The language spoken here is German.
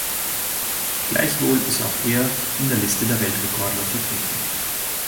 Gleichwohl ist auch er in der Liste der Weltrekordler vertreten.